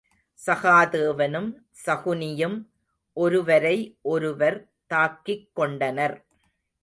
சகாதேவனும் சகுனியும் ஒருவரை ஒருவர் தாக்கிக் கொண்டனர்.